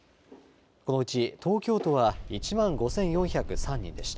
このうち東京都は１万５４０３人でした。